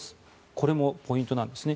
これもポイントなんですね。